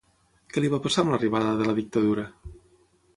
Què li va passar amb l'arribada de la dictadura?